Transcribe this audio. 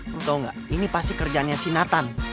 lo tau gak ini pasti kerjaannya si nathan